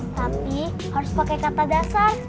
tapi harus pakai kata dasar